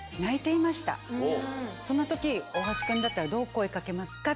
そんな時大橋君だったらどう声掛けますか？